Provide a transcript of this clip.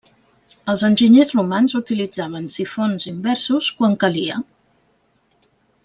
Els enginyers romans utilitzaven sifons inversos quan calia.